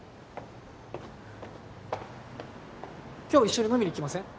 今日一緒に飲みに行きません？